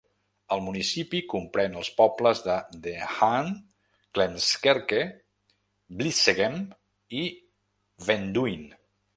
El municipi comprèn els pobles De Haan, Klemskerke, Vlissegem i Wenduine.